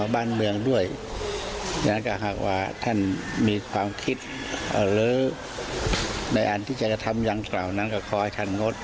บ้านเมืองด้วยดังนั้นก็หากว่าท่านมีความคิดหรือในอันที่จะกระทำดังกล่าวนั้นก็ขอให้ท่านงด